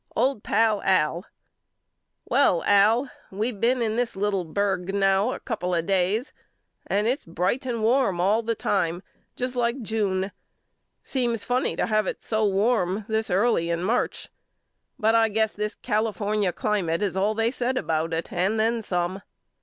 OLD PAL AL : Well Al we been in this little berg now a couple of days and its bright and warm all the time just like June. Seems funny to have it so warm this early in March but I guess this California climate is all they said about it and then some.